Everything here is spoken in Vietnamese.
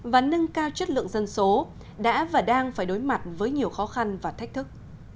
và nâng cao chất lượng dân số đã và đang phải đối mặt với nhiều khó khăn và thách thức